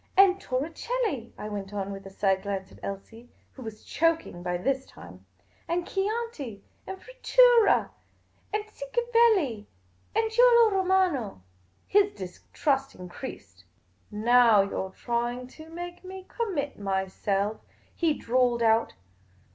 " And Torricelli," I went on, with a side glance at Elsie, who was choking by this time. '' And Chianti, and Frittura, and Cinquevalli, and Giulio Romano." His distrust increased. " Now you 're trying to make me conmiit myself," he drawled out.